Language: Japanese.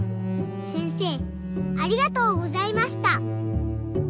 せんせいありがとうございました。